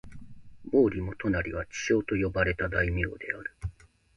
毛利元就は智将と呼ばれた大名である。